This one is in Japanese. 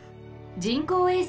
人工衛星？